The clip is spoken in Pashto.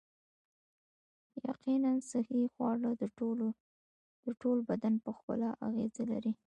یقیناً صحي خواړه د ټول بدن په ښکلا اغیزه لري